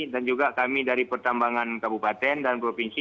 dan juga kami dari pertambangan kabupaten dan provinsi